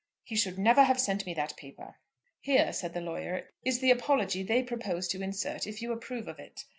He should never have sent me that paper." "Here," said the lawyer, "is the apology they propose to insert if you approve of it.